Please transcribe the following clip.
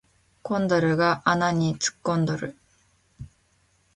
コンドルが穴に突っ込んどる